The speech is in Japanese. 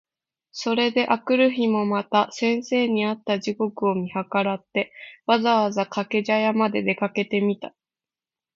それで翌日（あくるひ）もまた先生に会った時刻を見計らって、わざわざ掛茶屋（かけぢゃや）まで出かけてみた。